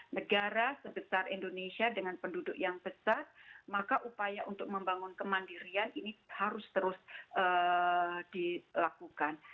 negara sebesar indonesia dengan penduduk yang besar maka upaya untuk membangun kemandirian ini harus terus dilakukan